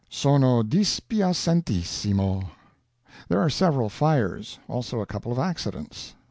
Sono dispiacentissimo. There are several fires: also a couple of accidents.